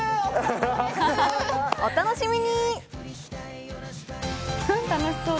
お楽しみに。